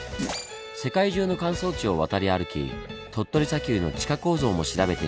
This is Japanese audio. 世界中の乾燥地を渡り歩き鳥取砂丘の地下構造も調べています。